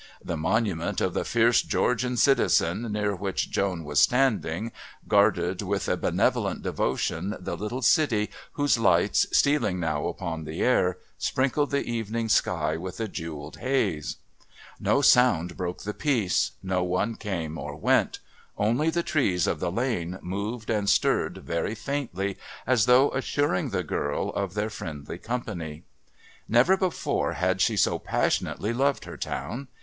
The monument of the fierce Georgian citizen near which Joan was standing guarded with a benevolent devotion the little city whose lights, stealing now upon the air, sprinkled the evening sky with a jewelled haze. No sound broke the peace; no one came nor went; only the trees of the Lane moved and stirred very faintly as though assuring the girl of their friendly company. Never before had she so passionately loved her town.